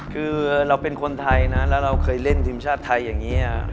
คือเราเป็นคนไทยนะแล้วเราเคยเล่นทีมชาติไทยอย่างนี้